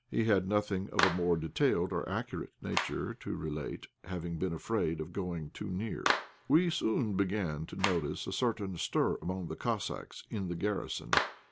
He had nothing of a more detailed or accurate nature to relate, having been afraid of going too far. We soon began to notice a certain stir among the Cossacks in the garrison.